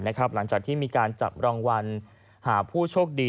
หลังจากที่มีการจับรางวัลหาผู้โชคดี